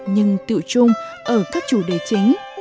nhưng tự trung ở các chủ đề chính